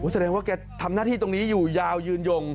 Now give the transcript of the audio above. แสดงว่าแกทำหน้าที่ตรงนี้อยู่ยาวยืนยง